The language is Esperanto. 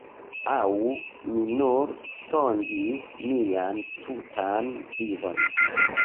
Aŭ mi nur sonĝis mian tutan vivon?